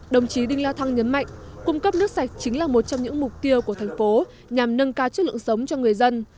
đồng chí đinh la thăng nhấn mạnh cung cấp nước sạch chính là một trong những mục tiêu của thành phố nhằm nâng cao chất lượng sống cho người dân